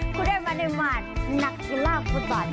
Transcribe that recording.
กุฎยายมาในหมวดนักกีฬาคุณตอนนี้